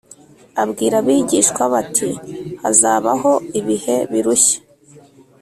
abwira abigishwa be ati hazabaho ibihe birushya